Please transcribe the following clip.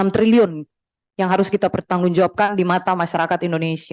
enam triliun yang harus kita pertanggungjawabkan di mata masyarakat indonesia